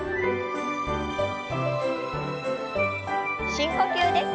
深呼吸です。